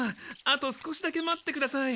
あと少しだけ待ってください。